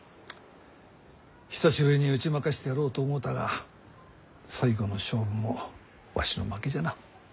久しぶりに打ち負かしてやろうと思うたが最後の勝負もわしの負けじゃな。